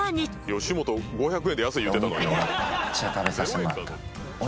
吉本５００円で安い言うてたのに。